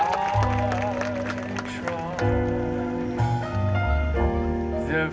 เพลงที่๑๐ทรงโปรด